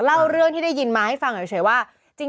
เล่าเรื่องที่ได้ยินมาให้ฟัง